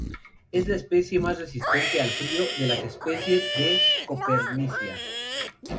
Es la más resistente al frío de las especies de "Copernicia".